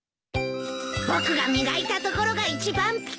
僕が磨いたところが一番ピカピカだ。